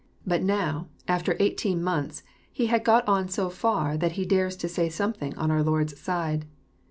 But now, after eighteen months, he has got on so far that he dares to say something on our Lord's side.